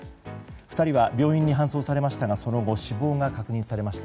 ２人は病院に搬送されましたがその後、死亡が確認されました。